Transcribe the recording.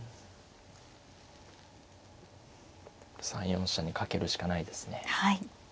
３四飛車に懸けるしかないですね。